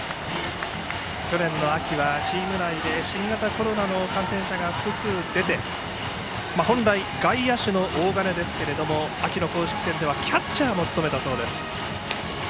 去年の秋は、チーム内で新型コロナの感染者が複数出て本来外野手の大金ですが秋の公式戦ではキャッチャーも務めたそうです。